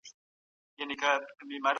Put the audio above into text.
ټولنه په فردي پرېکړو کي لاس لري.